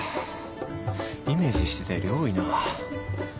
イメージしてたより多いな。